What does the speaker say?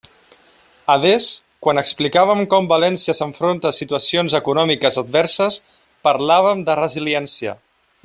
Adés, quan explicàvem com València s'enfronta a situacions econòmiques adverses, parlàvem de resiliència.